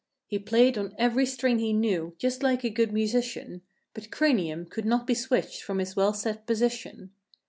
He played on every string he knew, just like a good musician, But Cranium could not be switched from his well set position.